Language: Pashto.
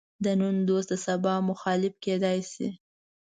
د نن دوست د سبا مخالف کېدای شي.